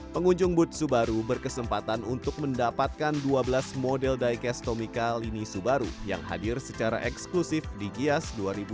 pengunjung butsu baru berkesempatan untuk mendapatkan dua belas model diecast tomica lini subaru yang hadir secara eksklusif di gias dua ribu dua puluh